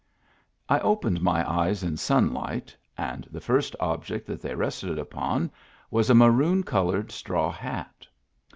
I opened my eyes in sunlight, and the first object that they rested upon was a maroon colored straw hat.